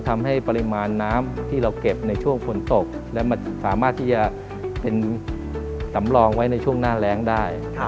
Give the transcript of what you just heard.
ทำให้ปริมาณน้ำที่เราเก็บในช่วงฝนตกและมันสามารถที่จะเป็นสำรองไว้ในช่วงหน้าแรงได้